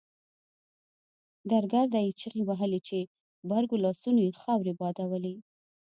درګرده يې چيغې وهلې په غبرګو لاسونو يې خاورې بادولې.